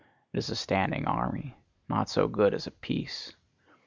It is a standing army, not so good as a peace.